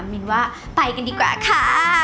มินว่าไปกันดีกว่าค่ะ